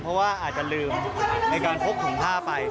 เพราะว่าอาจจะลืมในการพกถุงผ้าไป